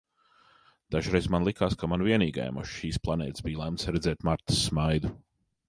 Dažreiz man likās, ka man vienīgajam uz šīs planētas bija lemts redzēt Martas smaidu.